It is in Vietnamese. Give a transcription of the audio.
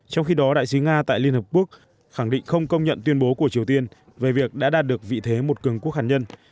trong khi đó đại sứ nga tại liên hợp quốc khẳng định không công nhận tuyên bố của triều tiên về việc đã đạt được vị thế một cường quốc hạt nhân